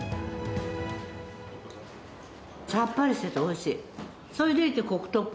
さっぱりしてておいしい。